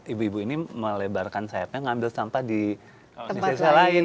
ibu ibu ini melebarkan sayapnya mengambil sampah di desa lain